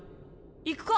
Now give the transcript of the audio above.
行くか。